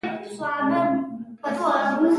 حاملې مېرمنې باید درمل له احتیاط سره وکاروي.